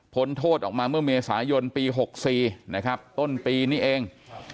โทษออกมาเมื่อเมษายนปี๖๔นะครับต้นปีนี้เอง